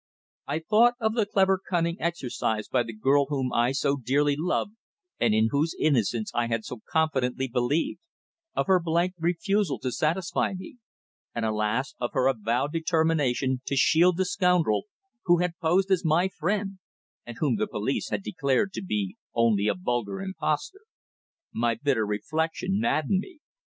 I thought of the clever cunning exercised by the girl whom I so dearly loved and in whose innocence I had so confidently believed, of her blank refusal to satisfy me, and alas! of her avowed determination to shield the scoundrel who had posed as my friend, and whom the police had declared to be only a vulgar impostor. My bitter reflection maddened me.